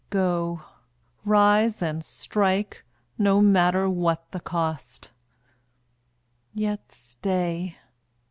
Go; rise and strike, no matter what the cost. Yet stay.